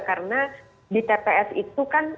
karena di tps itu kan